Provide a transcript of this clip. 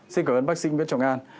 xin cảm ơn bác sĩ nguyễn trọng an